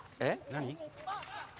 何？